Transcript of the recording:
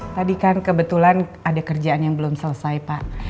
tadi kan kebetulan ada kerjaan yang belum selesai pak